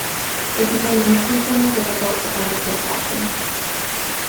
It became increasingly difficult to undertake action.